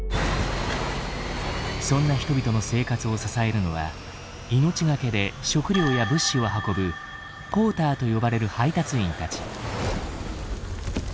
そんな人々の生活を支えるのは命懸けで食料や物資を運ぶ「ポーター」と呼ばれる配達員たち。